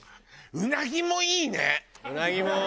うなぎもいいね。